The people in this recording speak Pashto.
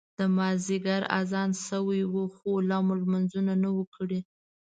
د مازیګر اذان شوی و خو لا مو لمونځ نه و کړی.